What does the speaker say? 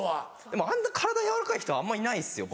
でもあんな体軟らかい人あんまいないですよ